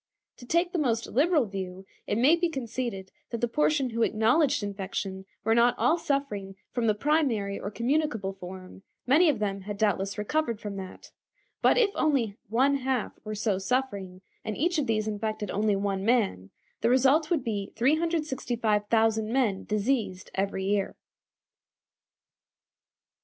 To take the most liberal view, it may be conceded that the portion who acknowledged infection were not all suffering from the primary or communicable form; many of them had doubtless recovered from that; but if only one half were so suffering, and each of these infected only one man, the result would be 365,000 men diseased every year.